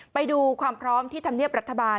ไปดูความพร้อมที่ธรรมเนียบรัฐบาล